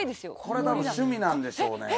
これ多分趣味なんでしょうね。